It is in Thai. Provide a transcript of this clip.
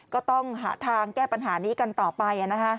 ก็ต้องหาทางแก้ปัญหานี้กันต่อไป